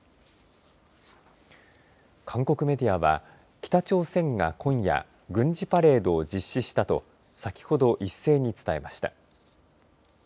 韓国メディアは北朝鮮が今夜軍事パレードを実施したと先ほど一斉に伝えました。